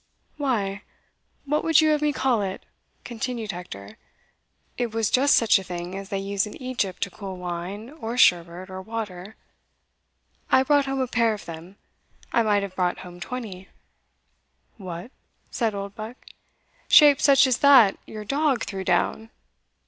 "Why, what would you have me call it?" continued Hector; "it was just such a thing as they use in Egypt to cool wine, or sherbet, or water; I brought home a pair of them I might have brought home twenty." "What!" said Oldbuck, "shaped such as that your dog threw down?"